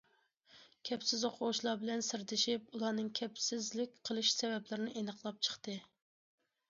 كەپسىز ئوقۇغۇچىلار بىلەن سىردىشىپ، ئۇلارنىڭ كەپسىزلىك قىلىش سەۋەبلىرىنى ئېنىقلاپ چىقتى.